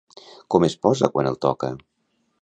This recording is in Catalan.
Com es posa quan el toca?